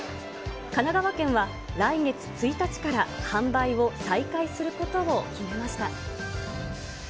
神奈川県は来月１日から販売を再開することを決めました。